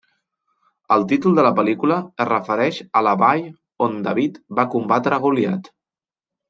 El títol de la pel·lícula es refereix a la vall on David va combatre Goliat.